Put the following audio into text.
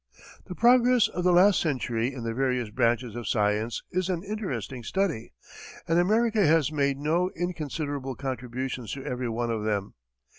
The progress of the last century in the various branches of science is an interesting study, and America has made no inconsiderable contributions to every one of them.